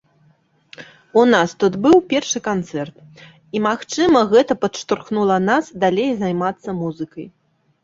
У нас тут быў першы канцэрт і, магчыма, гэта падштурхнула нас далей займацца музыкай.